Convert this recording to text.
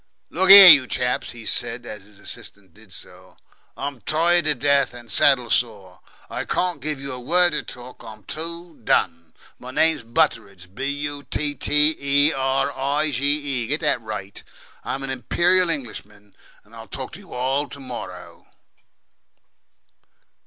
"Look here, you chaps," he said, as his assistant did so, "I'm tired to death, and saddle sore. I can't give you a word of talk. I'm too done. My name's Butteridge. B U T T E R I D G E. Get that right. I'm an Imperial Englishman. I'll talk to you all to morrow."